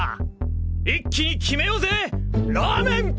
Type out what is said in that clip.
一気に決めようぜラーメン！